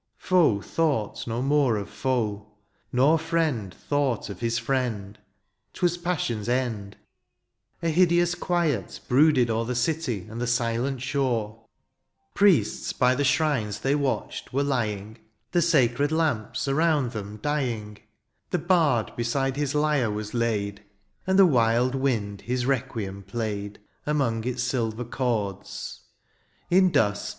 Foe thought no more of foe, nor friend Thought of his friend ; 'twas passion's end. A hideous quiet brooded o'er The city and the silent shore. Priests, by the shrines they watched, were lying. The sacred lamps around them dying ; The bard beside his lyre was laid. 58 DIONTSIUS, And the wild wind his requiem played Among its silver chords ; in dust.